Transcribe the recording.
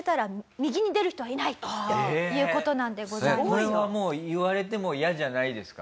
これはもう言われても嫌じゃないですか？